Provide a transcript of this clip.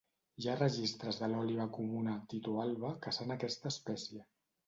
Hi ha registres de l'òliba comuna "Tyto alba" caçant aquesta espècie.